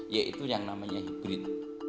yaitu yang namanya hibrid